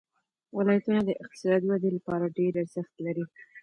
ولایتونه د اقتصادي ودې لپاره ډېر ارزښت لري.